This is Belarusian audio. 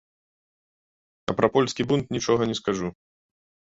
А пра польскі бунт нічога не скажу!